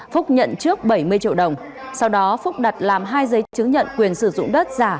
phúc nhận trước bảy mươi triệu đồng sau đó phúc đặt làm hai giấy chứng nhận quyền sử dụng đất giả